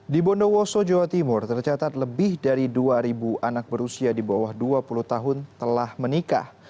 di bondowoso jawa timur tercatat lebih dari dua anak berusia di bawah dua puluh tahun telah menikah